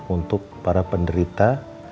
untuk para penderita